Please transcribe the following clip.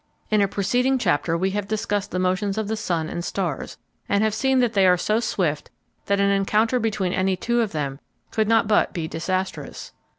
In a preceding chapter we have discussed the motions of the sun and stars, and have seen that they are so swift that an encounter between any two of them could not but be disastrous.